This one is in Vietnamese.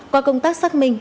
qua công tác xác minh